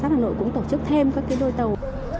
hà nội cũng tổ chức thêm các đôi tàu